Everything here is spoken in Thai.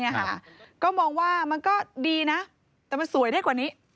ก็มองว่ามันก็ดีนะแต่มันสวยได้กว่านี้